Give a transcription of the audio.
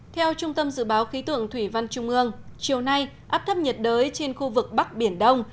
theo trung tâm dự báo khí tượng thủy văn trung ương chiều nay áp thấp nhiệt đới trên khu vực bắc biển đông